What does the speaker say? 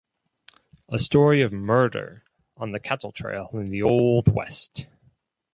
A story of murder on the cattle trail in the old West.